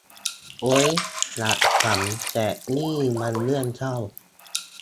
โอ้ย อยากขำ แต่นี่มันเรื่องเศร้า